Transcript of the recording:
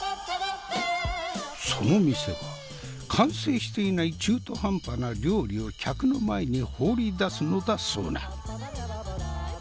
その店は完成していない中途半端な料理を客の前に放り出すのだそうな。